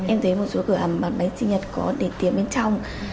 em thấy một số cửa hàng bán bánh sinh nhật có đề tiền bên trong